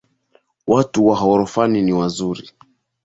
Watu wa ghorofani ni wazuri